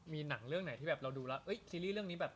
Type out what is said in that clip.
มีหนังเรื่องไหนที่แบบเราดูแล้วซีรีส์เรื่องนี้แบบ